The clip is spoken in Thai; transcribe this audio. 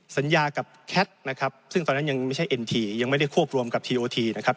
สัญญากับนะครับซึ่งตอนนั้นยังไม่ใช่ยังไม่ได้ควบรวมกับนะครับ